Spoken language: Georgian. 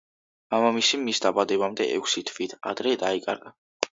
მამამისი მის დაბადებამდე ექვსი თვით ადრე დაიკარგა.